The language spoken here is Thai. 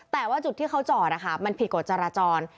แต่ว่าจุดที่เขาจอดมันผิดกฎจราจร